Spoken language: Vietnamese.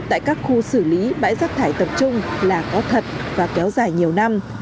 tại các khu xử lý bãi rác thải tập trung là có thật và kéo dài nhiều năm